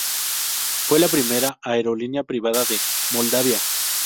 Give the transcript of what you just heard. Fue la primera aerolínea privada de Moldavia.